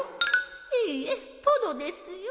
いいえトドですよ